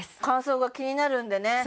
乾燥が気になるんでね